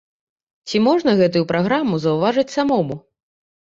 Ці можна гэтую праграму заўважыць самому?